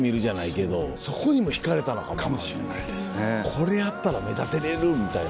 これやったら目立てれるみたいな。